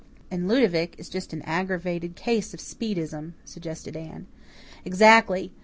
"And Ludovic is just an aggravated case of Speedism," suggested Anne. "Exactly.